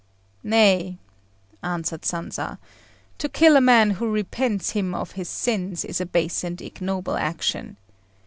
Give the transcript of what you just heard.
"Nay," answered Sanza, "to kill a man who repents him of his sins is a base and ignoble action.